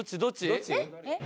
どっち？